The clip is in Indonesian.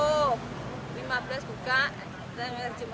lima belas buka hari jumat buka rp lima belas lima ratus